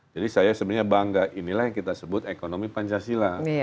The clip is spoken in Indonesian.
jadi saya sebenarnya bangga inilah yang kita sebut ekonomi pancasila